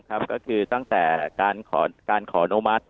ก็คือตั้งแต่การขออนุมัติ